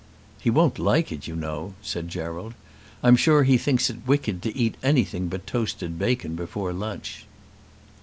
"He won't like it, you know," said Gerald. "I'm sure he thinks it wicked to eat anything but toasted bacon before lunch."